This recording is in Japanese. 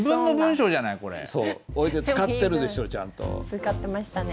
使ってましたね。